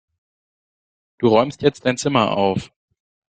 Du räumst jetzt dein Zimmer auf!